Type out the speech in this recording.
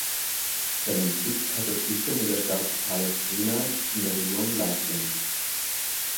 Seinen Sitz hat das Bistum in der Stadt Palestrina in der Region Latium.